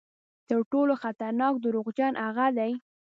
تر ټولو خطرناک دروغجن هغه دي.